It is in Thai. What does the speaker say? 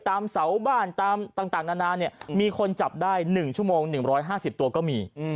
ตามเสาบ้านตามต่างนานามีคนจับได้๑ชั่วโมง๑๕๐ตัวก็มี